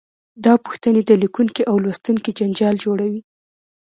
دا پوښتنې د لیکونکي او لوستونکي جنجال جوړوي.